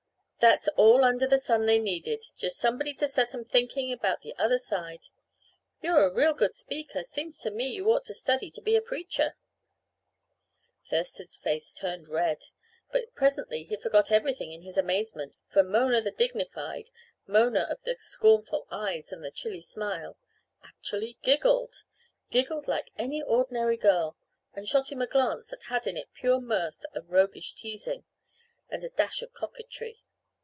"That's all under the sun they needed just somebody to set 'em thinking about the other side. You're a real good speaker; seems to me you ought to study to be a preacher." Thurston's face turned red. But presently he forgot everything in his amazement, for Mona the dignified, Mona of the scornful eyes and the chilly smile, actually giggled giggled like any ordinary girl, and shot him a glance that had in it pure mirth and roguish teasing, and a dash of coquetry.